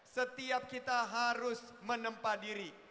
setiap kita harus menempa diri